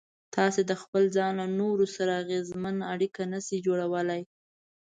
تاسې د خپل ځان له نورو سره اغېزمنه اړيکه نشئ جوړولای.